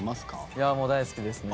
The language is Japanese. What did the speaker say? いやあもう大好きですね。